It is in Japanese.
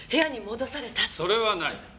それはない。